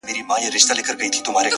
•« لکه شمع په خندا کي مي ژړا ده ,